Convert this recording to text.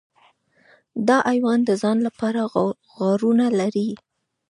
دا حیوان د ځان لپاره غارونه لري.